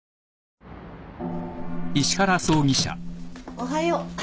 おはよう。